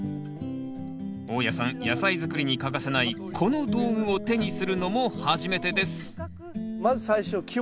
大家さん野菜作りに欠かせないこの道具を手にするのも初めてですまず最初基本中の基本。